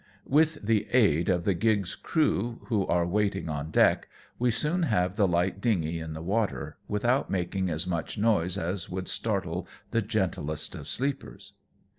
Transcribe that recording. With the aid of the gig's crew, who are waiting on deck, we soon have the light dingey in the water, without making as much noise as would startle the gentlest of sleepers.